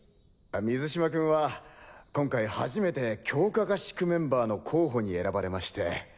水嶋君は今回初めて強化合宿メンバーの候補に選ばれまして。